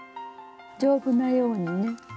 丈夫なようにね。